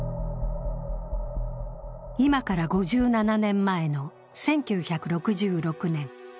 今から５７年前の１９６６年。